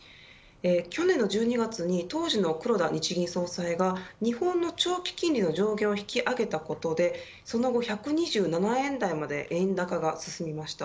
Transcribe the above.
去年の１２月に当時の黒田日銀総裁が日本の長期金利の上限を引き上げたことでその後、１２７円台まで円高が進みました。